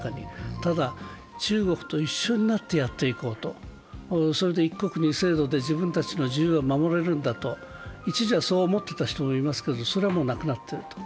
ただ、中国と一緒になってやっていこうと、それで一国二制度で自分たちの自由は守られるんだと、一時はそう思っていた人もいますがそれはもうなくなっている。